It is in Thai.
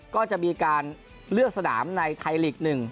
ก็จะมีการเลือกสนามในไทยลีก๑